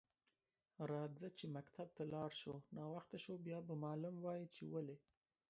راځه چی مکتب ته لاړ شو ناوخته شو بیا به معلم وایی چی ولی